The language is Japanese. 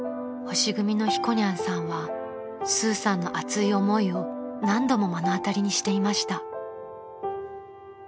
［星組のひこにゃんさんはスーさんの熱い思いを何度も目の当たりにしていました］